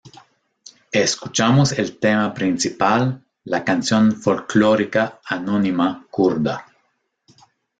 Escuchamos el tema principal, la canción folklórica anónima kurda.